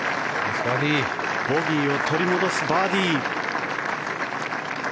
ボギーを取り戻すバーディー！